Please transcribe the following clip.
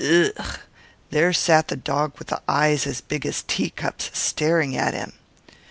"Ah!" there sat the dog, with the eyes as large as teacups, staring at him.